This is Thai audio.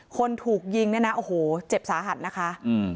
คนถูกยิงเนี่ยนะโอ้โหเจ็บสาหัสนะคะอืม